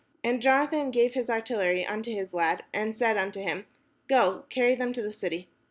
And Jonathan gave his artillery unto his lad, and said unto him, "Go, carry them to the city."